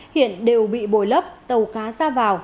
hiện đều bị bồi lấp tàu cá ra vào